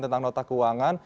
tentang nota keuangan